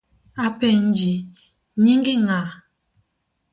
Apenji, nyingi ng’a ?